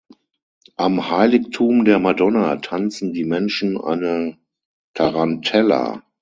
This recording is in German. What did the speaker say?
Am Heiligtum der Madonna tanzen die Menschen eine Tarantella.